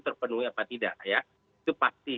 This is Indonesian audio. terpenuhi apa tidak ya itu pasti